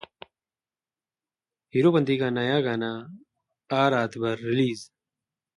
हीरोपंती का नया गाना आ रात भर रिलीज